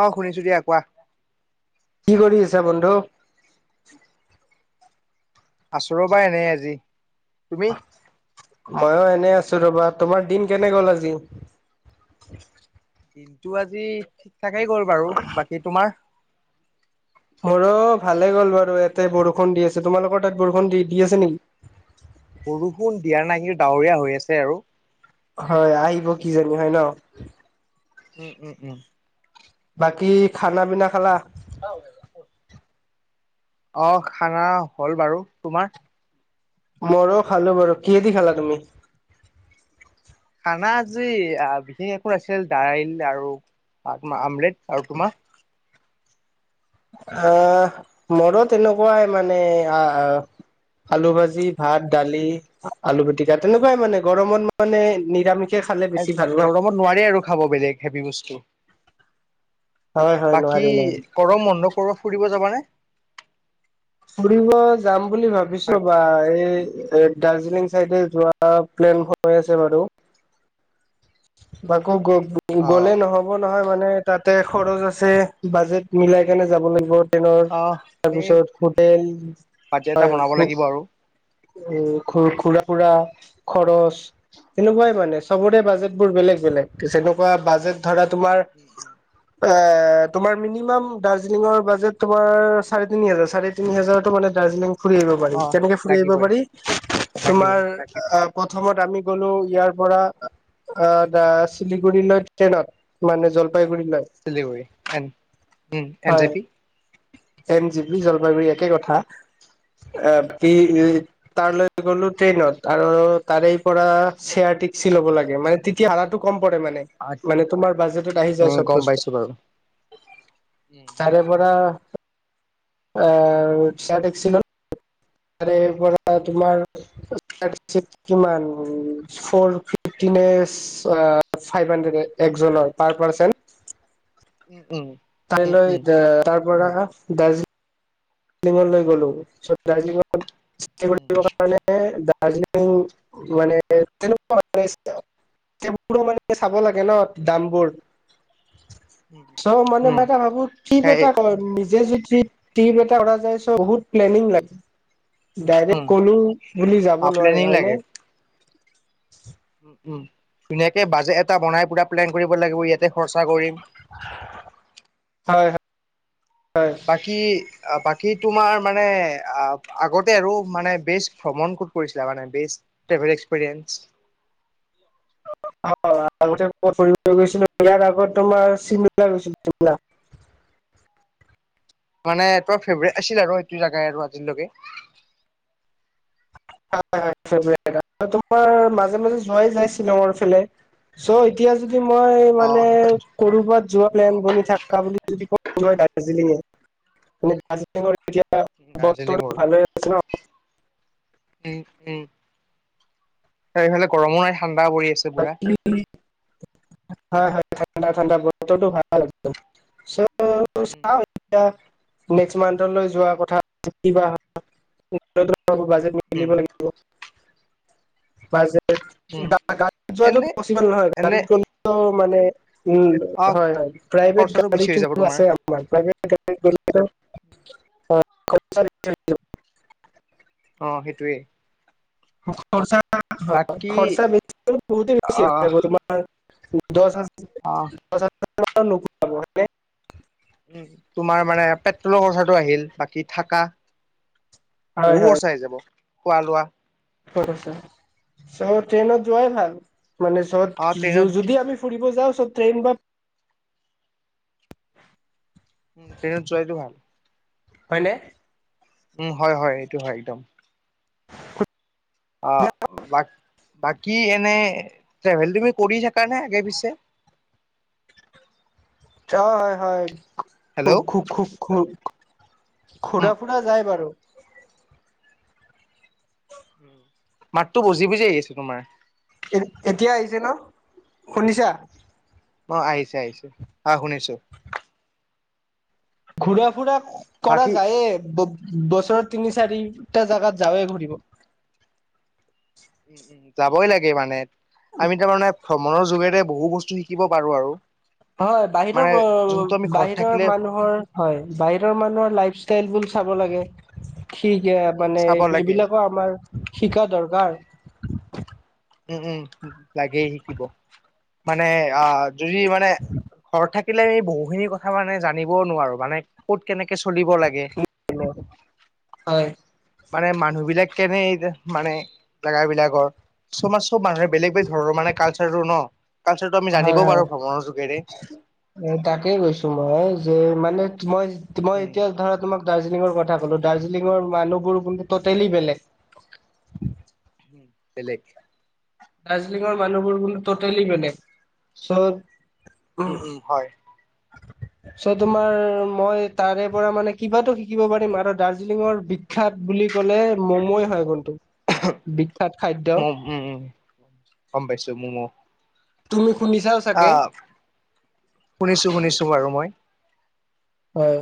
অ' শুনিছো দিয়া কোৱা। কি কৰি আছা বন্ধু। আছোঁ ৰবা এনেই আজি। তুমি ময়ো এনে আছোঁ ৰ'বা। তোমাৰ দিন কেনে গ'ল আজি? দিনটো আজি ঠিক ঠাকেই গ'ল বাৰু। বাকী তোমাৰ? মোৰো ভালে গ'ল বাৰু। ইয়াতে বৰষুণ দি আছে, তোমালোকৰ তাত বৰষুণ দি-দি আছে নেকি? [inaudible] বৰষুণ দিয়া নাই কিন্তু ডাৱৰীয়া হৈ আছে আৰু। হয় আহিব কিজানি হয় ন'। উম, উম, উম। বাকী খানা পিনা খালা? [unintelligible] অ' খানা হ'ল বাৰু। তোমাৰ? মোৰো খালোঁ বাৰু। কিহেদি খালা তুমি? খানা আজি বিশেষ একো আছিল, দাইল আৰু আমলেট। আৰু তোমাৰ? আহ, মোৰো এনেকুৱাই মানে আহ আলু ভাজি, ভাত দালি, আলু পিতিকা তেনেকুৱাই মানে গৰমত মানে নিৰামিষ গৰমত নোৱাৰি আৰু খাব বেলেগ হেভি বস্তু। হয় হয় বাকী নোৱাৰি নোৱাৰি। গৰম বন্ধত ক'ৰবাত ফুৰিব যাবানে? ফুৰিব যাম বুলি ভাবিছোঁ বা এই এ, দাৰ্জিলিং চাইডে যোৱা প্লেন হৈ আছে বাৰু। বাকৌ অ গ-গ'লে নহ'ব নহয় মানে। তাতে খৰচ আছে, বাজেট মিলাই কেনে যাব লাগিব। অ এই তাৰপিছত হোটেল, বাজেট এটা হয় বনাব লাগিব আৰু উ, ঘুৰাফুৰা খৰচ তেনেকুৱাই মানে চবৰে বাজেট বোৰ বেলেগ বেলেগ। তেনেকুৱা বাজেট উম, উম, উম। আ তোমাৰ মিনিমাম দাৰ্জিলিঙৰ বাজেত তোমাৰ চাৰে তিনি হাজাৰ, চাৰে তিনিহাজাৰটো মানে দাৰ্জিলিং ফুৰি আহিব পাৰি, অ কেনেকে ফুৰি আহিব লাগিবই পাৰি লাগিবই তোমাৰ প্ৰথমত আমি গ'লো ইয়াৰপৰা এ, বা চিলিগুৰিলৈ ট্ৰেইনত মানে জল চিলিঘূৰি। এন উ, N J P N G B, উম জলপাইগুৰি একে কথা। এ, উম উম ই, তাৰলৈ গ'লো ট্ৰেইনত আৰু তাৰেইপৰা শ্বেয়াৰ টিক্সি ল'ব লাগে মানে তেতিয়া ভাৰাটো ক'ম ফটো মানে, মানে তোমাৰ বাজেটত আহি যায় উম চব গম বস্তু। পাইছো বাৰু উম তাৰেপৰা আ, চয়া টেক্সিলৈ। তাৰেপৰা তোমাৰ টেক্সিত কিমান ফ'ৰ ফিফটি। ফাইভ হানড্ৰেদ এজনৰ পাৰ পাৰ্চন। উম উম উম তাইলৈ উম তাৰপৰা দাৰ্জি ললৈ গ'লো, চব [unintelligible] দা উম জিলং মানে, কেনেকুৱা [unintelligible] বোৰো মানে চাব লাগে। কেনত উম দামবোৰ উম। চব মান উম মইটা ভাবো কিপ সেই এটা কয় নিজে যদি টিপ এটা যাই, চ, বহুত প্লেনিং লাগে ডাইৰেক্ট উম গ'লো বুলি যাব হাফ নোৱাৰি, প্লেনিং হয়নে? লাগে উম উম, ধুনীয়াকে বাজেট এটা বনাই পুৰা প্লেন কৰিব লাগিব ইয়াত খৰচা কৰিম। হয় হয় হয় বাকি, আ, বাকী বাকি তোমাৰ মানে, অ', আগতে আৰু মানে, বেচ ভ্ৰমণ কত কৰিছিলা? মানে বে এক্সপিৰিয়েন্স [unintelligible] হয় আগতে গৈছিলোঁ, ইয়াৰ আগত তোমাৰ চিমলা গৈছিলি চিমলা [inaudible] মানে ত ফেভাৰট আছিল আৰু সেইটো জোগাই আৰু আজিলকে। [unintelligible] তোমাৰ মাজে মাজে যোৱাই যায় শ্বিলঙৰ ফালে। চ এতিয়া যদি মই অ মানে কৰোবাত যোৱা প্লেনিং বনি থাকা বুলি যদি কই মই দাৰ্জিলিঙে ম দাৰ্জিলিঙৰ এতিয়া দাৰ্জিলিঙৰ বতৰটো ভাল আছে ন? উম, উম। তাৰফালে গৰমো নাই ঠাণ্ডা পৰি আছে পুৰা। হয়, হয়, ঠাণ্ডা, ঠাণ্ডা, বতৰতো ভাল আছে, চ' উম, চাওঁ এতিয়া, উম, নেক্স মান্থলৈ যোৱা কথা। কিবা হয়, [unintelligible] বাজেট মিলিব উম, লাগিব। বাজেট, উম, গাড়ীত যোৱাটো এনে পচিবল নহয়, এনে গাড়ীত গ'লেটো মানে উম, অ হয়, হয়, প্ৰাইভেট খৰচাটো বেছি হৈ গাড়ীটো যাব তোমাৰ আছে আমাৰ, প্ৰাইভেট গাড়ী গ হয় [unintelligible] অ', সেইটোৱেই। খৰচা, খৰচা বেছি, বহুত বেছি আহ আ তোমাৰ দচ হাজাৰ, আহ দচ হাজাৰৰ তলত নোপোৱা মানে উম, তোমাৰ মানে পেট্ৰলৰ খৰচাটো আহিল, বাকী থাকা বহু ও চাই যাব, খোৱা-লোৱা চোন, চ', ট্ৰেইনত যোৱাই ভাল মানে চত, অ ট্ৰেইনত যদি আমি ফুৰিব যাওঁ চত্ৰেইন বা ট্ৰেইনত যোৱাইটো ভাল। হয়নে? উম, হয়, হয়, এইটো হয়, একদম। [unintelligible] অ', ব বাকী এনেই ট্ৰেভেল তুমি কৰি থাকা নে আগে পিছে? অ', হয, খু, হেল্ল' খু, খুক, খু ঘূৰা ফুৰা যায় বাৰু মাতটো বজি বজি আহি আছে তোমাৰ এ, এতিয়া আহিছে ন শুনিছা? অ', আহিছে, আহিছে, আ শুনিছোঁ। ঘূৰা ফুৰা কৰা বাকী যায়ে বছৰৰ তিনি চাৰিটা জাগাত যাৱেই ঘুৰিব যাবই লাগে মানে, আমি তাৰমানে ভ্ৰমণৰ যুগে বহু বস্তু শিকিব পাৰোঁ আৰু হয়, বাহিৰৰ মানে যোনটো আমি ঘৰত থাকিলে বাহিৰৰ মানুহৰ হয়, বাহিৰৰ মানুহৰ লাই ষ্টাইলবোৰ চাব লাগে ঠিকে উম মানে চাব লাগে এইবিলাকো আমাৰ শিকা দৰকাৰ। উম উম লাগেই শিকিব, মানে অ যদি মানে ঘৰ থাক আমি বহুখিনি কথা মানে জানিবও নোৱাৰো, মানে ক'ত কেনেকে চলিব লাগে। হয়। মানে মানুহ বিলাক কেনে এই মানে জেগা বিলাকৰ। চ' মানে চব মানুহে বেলেগ বেলেগ ধৰণৰ মানে কালচাৰোৰ ন। কালচাৰটো আমি হয় জানিবও হয় পাৰো ভ্ৰমণৰ যোগেৰে। এ তাকে কৈছো মই যে মানে মই-মই উম এতিয়া ধৰা তোমাক দাৰ্জিলিঙৰ কথা বলো দাৰ্জিলিঙৰ মানুহবোৰ কিন্তু টটেলি বেলেগ। বেলেগ। দাৰ্জিলিঙৰ মানুহবোৰ কিন্তু টটেলি বেলেগ। উম উম হয়। [inaudible] চ তোমাৰ মই তাৰে পৰা মানে কিবাতো শিকিব পাৰিম আৰু দাৰ্জিলিঙৰ বিখ্যাত বুলি কি ক'লে ম'ময়ে হয় কনটো বিখ্যাত খাদ্য। ম উম উম গম পাইছো মোৰ তুমি শুনিছাও চাগে আহ শুনিছো শুনিছো বাৰু মই। হয়।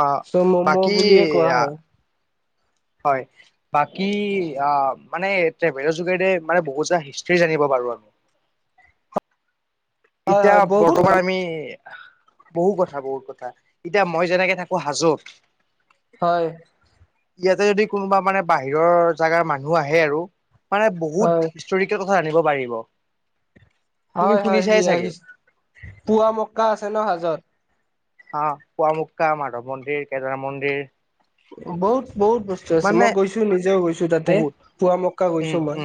আহ চ ম'ম' বাকী বুলিয়ে কোৱা হয়। হয় বাকী মানে ট্ৰেভেলৰ যোগেৰে মানে বহুত হিষ্ট জানিব পাৰো আৰু। [inaudible] হয় এতিয়া হয় বহুত বৰ্তমান হয় আমি বহু কথা বহুত কথা, এতিয়া মই যেনেকে থাকো হাজোত হয়। ইয়াতে যদি কোনোবা মানে বাহিৰৰ জাগাৰ মানুহ আহে আৰু। মানে বহুত হিষ্টৰিকেল কথা জানিব পাৰিব। তুমি হয় হয় শুনিছাই চাগে হিয়া-হিছ, পুৱা মক্কা আছে ন হাজোত? আহ পুৱামুক্কা, মাধৱ মন্দিৰ, কেদাৰ মন্দিৰ, বহুত বহুত বস্তু আছে। মানে মই গৈছো নিজেও গৈছো তাতে বহুত পুৱা মক্কা গৈছো উম মই।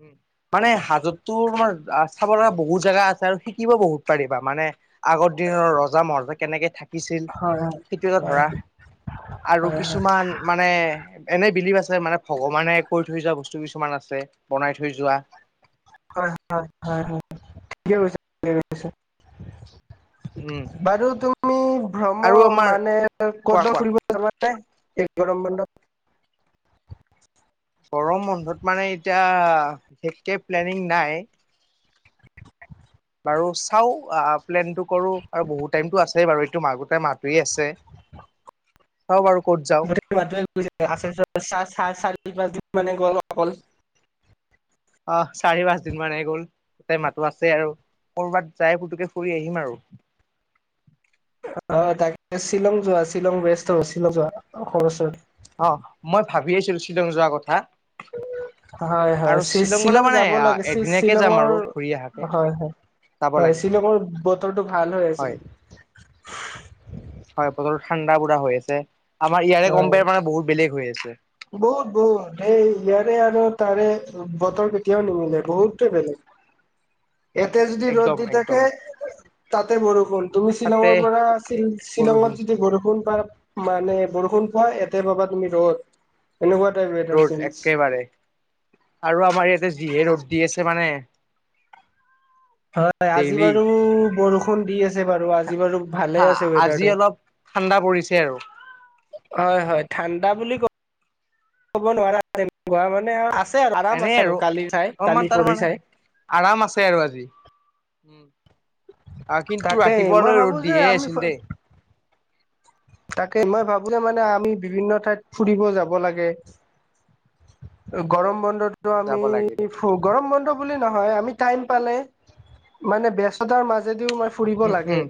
উম মানে হাজোতটো তোমাৰ চাব লগা বহুত জাগা আছে, আৰু শিকিব বহুত পাৰিবা মানে আগৰ দিনৰ ৰজা মহাৰজা কেনেকে থাকে থাকিছিল হয় সেইটোও হয় ধৰা, আৰু হয় হয় হয় কিছুমান মানে এনেই বিলিভ আছে, মানে ভগৱানে কৰি থৈ যোৱা বস্তু কিছুমান আছে, বনাই থৈ যোৱা। হয় হয় হয় হয় ঠিকে- কৈছা ঠিকে কৈছা। উম বাৰু- তুমি আৰু ভ্ৰম- আমাৰ মানে ক'ত কোৱা বা কোৱা ফুৰিব যাবা নে? গৰম বন্ধত গৰম বন্ধত মানে এতিয়া বিশেষকে প্লেনিং নাই। আৰু চাও আহ প্লেনটো কৰো আৰু বহুত টাইমটো আছেই বাৰু, এইটো মাহ গোটেই মাহটোয়ে আছে। হ'ব বাৰু। ক'ত যাওঁ [unintelligible] অহ চাৰি পাঁচ দিন মান হে গ'ল, গোটেই মাহতো আছেই আৰু। কৰোৱাত যাই ফুতুককে ফুৰি আহিম আৰু। অ তাকে শ্বিলং যোৱা, শ্বিলং বেষ্ট হ'ব। শিলং যোৱা অসমৰ ওচৰত অ মই ভাবি আছিলো শ্বিলং যোৱা কথা। [inaudible] হয় হয় আৰু শ্বিলং গলে শি-শ্বিলং মানে যাব লাগে, এদিনাকে শি-শ্বিলঙৰ যাম আৰু ঘূৰি অহাকে হয় হয়। যাব হয় লাগে শ্বিলঙৰ বতৰটো ভাল হৈ আছে। হয় হয়, বতৰ ঠাণ্ডা পুৰা হৈ আছে, আমাৰ ইয়াৰে হয় কম্পেয়াৰ মানে বহুত বেলেগ হৈ আছে। বহুত বহুত, এই, ইয়াৰে আৰু তাৰে বতৰ কেতিয়াও নিমিলে, বহুতে বেলেগ। এতিয়া নিমিলে যদি ৰ'দ একদম দি থাকে একদম তাতে বৰষুণ, তুমি তাতে শ্বিলঙৰ পৰা শ্বিল, বৰষুণ শ্বিলঙত যদি বৰষুণ পাবা মানে বৰষুণ পোৱা, ইয়াতে পাবা তুমি ৰ'দ। এনেকুৱা টাইপ ৱেডাৰ ৰ'দ চেঞ্জ একেবাৰে, আৰু আমাৰ ইয়াতে যিহে ৰ'দ। দি আছে মানে হয়, আজি ডেইলি বাৰু বৰষুণ দি আছে বাৰু, আজি আজি বাৰু ভালে হা আছে আজি বতৰটো, অলপ ঠাণ্ডা পৰিছে আৰু হয় হয়। ঠাণ্ডা বুলি ক'ব নোৱাৰা, মানে আৰু আছ এনে আৰু, অলপমান তাৰমানে চাই আৰাম আছে আৰু আজি, উম। আহ, কিন্তু তাকেই মই ৰাতিপুৱালৈ ৰ'দ ভাবো যে দিয়ে আমি আছিল দেই। তাকে মই ভাবোঁ যে, মানে আমি বিভিন্ন ঠাইত ফুৰিব যাব লাগে। গৰম বন্ধটো উম আমি, যাব লাগিলে ফু- গৰম বন্ধ বুলি নহয়, আমি টাইম পালে, মানে ব্যস্ততাৰ মাজেদিও ফুৰিব উম লাগে। উম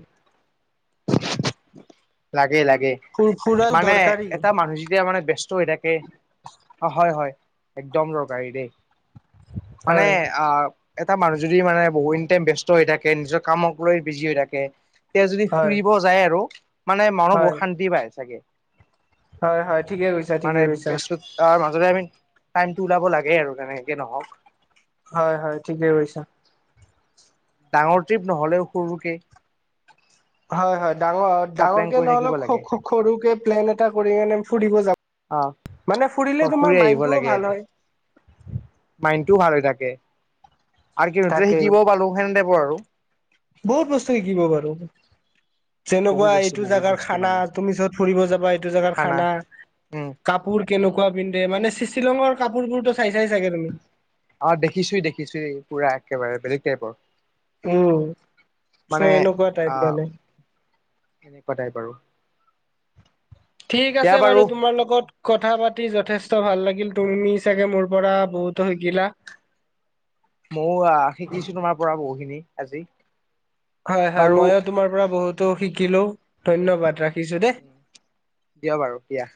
লাগে, লাগে, ফুৰাও মানে দৰকাৰী এটা মানুহ যেতিয়া মানে, ব্য- হৈ থাকে, অ', হয়, হয়, একদম দৰকাৰী দেই। মানে হয় আহ, এটা মানুহ যদি মানে বহুখিনি টাইম ব্যস্ত হৈ থাকে, নিজৰ কামক লৈ বিজি হৈ থাকে, তেতিয়া যদি হয় ফুৰিব যায় আৰু, মানে মানুহ বহুত হয় শান্তি পায়, চাগে। হয় হয় ঠিকে কৈছা মানে ঠিকে কৈছা ব্যস্ততাৰ আমি টাইমটো ওলাব লাগে আৰু, যেনেকে নহওঁক। হয়, হয় ঠিকেই কৈছা। ডাঙৰ ট্ৰিপ নহলেও সৰুকে হয়, হয়। ডাঙৰ এটা ডাঙৰ প্লেন কে কৰি থাকিব নহ'লেও লাগে সৰুকে প্লেন এটা কৰি মনে ফুৰিব যা অ মানে ফুৰিলে ফুৰি তোমাৰ আহিব মাইণ্ডটোও লাগে ভাল হয়। টো ভাল হৈ থাকে, আৰু কিবা এটা তাকেই শিকিবও পালো সেনে তাইপৰ আৰু। বহুত বস্তু শিকিব পাৰো। বহু যেনেকুৱা বস্তু এইটো বহু জোগাৰ বস্তু খানা মানে তুমি য'ত ফুৰিব যাবা এইটো জেগাৰ খানা উম কাপোৰ কেনেকুৱা পিন্ধে মানে শ্বিলঙৰ কাপোৰবোৰতো চাই চাই চাগে তুমি অ দেখিছোই দেখিছো পুৰা একেবাৰে বেলেগ টাইপৰ। উম চ' মানে এনেকুৱা টাইপ আহ মানে। এনেকুৱা তাইপ আৰু। ঠিক আছে বাৰু তোমাৰ লগত কথা পাতি যথেষ্ট ভাল লাগিল। তুমি চাগে মোৰ পৰা বহুতো শিকিলা ময়ো আহ শিকিছো তোমাৰ পৰা বহুখিনি আজি। হয়, হয় বাৰু ময়ো তোমাৰ পৰা বহুতো শিকিলো। ধন্যবাদ ৰাখিছো দেই দিয়া বাৰু দিয়া।